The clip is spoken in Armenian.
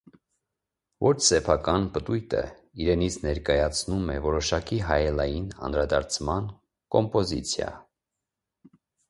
Ոչ սեփական պտույտը իրենից ներկայացնում է որոշակի հայելային անդրադարձման կոմպոզիցիա։